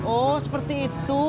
oh seperti itu